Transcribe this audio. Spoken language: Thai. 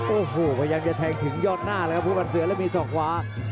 โอ้โหยังจะแทงถึงยอดหน้าแล้วครับควบรรษเสือแล้วมีสองขวา